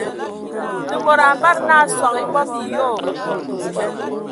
Te mod a ambada nə soŋ e abombo e yoo.